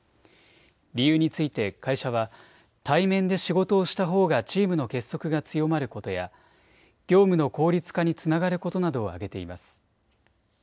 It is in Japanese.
理由について会社は対面で仕事をしたほうがチームの結束が強まることや業務の効率化につながることなどを挙げています。